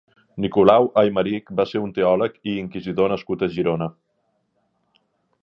Nicolau Eimeric va ser un teòleg i inquisidor nascut a Girona.